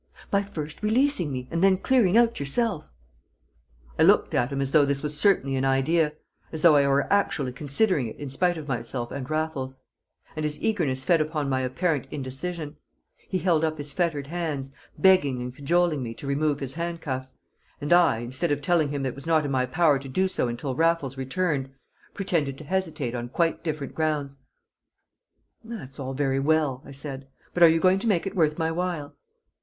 "By first releasing me, and then clearing out yourself!" I looked at him as though this was certainly an idea, as though I were actually considering it in spite of myself and Raffles; and his eagerness fed upon my apparent indecision. He held up his fettered hands, begging and cajoling me to remove his handcuffs, and I, instead of telling him it was not in my power to do so until Raffles returned, pretended to hesitate on quite different grounds. "It's all very well," I said, "but are you going to make it worth my while?"